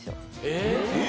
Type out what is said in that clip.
えっ？